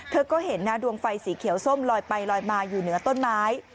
เธอก็เห็นนะดวงไฟสีเขียวส้มลอยไปลอยมาอยู่เหนือต้นไม้